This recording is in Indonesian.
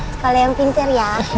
sekolah yang pintar ya